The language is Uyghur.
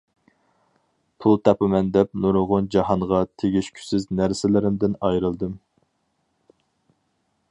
پۇل تاپىمەن دەپ نۇرغۇن جاھانغا تېگىشكۈسىز نەرسىلىرىمدىن ئايرىلدىم.